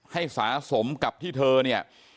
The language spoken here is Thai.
สะสมกับที่เธอเนี่ย